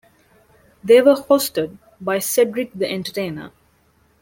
They were hosted by Cedric the Entertainer.